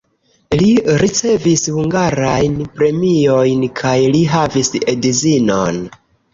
Li ricevis hungarajn premiojn kaj li havis edzinon.